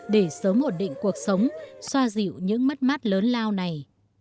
để sớm ổn định cuộc sống xoa dịu những mất mát lớn lao này